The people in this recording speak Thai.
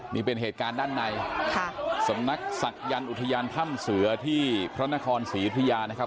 นี่เป็นเหตุการณ์ด้านในค่ะสำนักศักยันต์อุทยานถ้ำเสือที่พระนครศรียุธยานะครับ